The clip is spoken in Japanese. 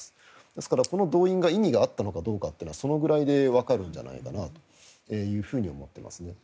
ですから、この動員が意味があったのかどうかはそのぐらいでわかるんじゃないかなと思ってますね。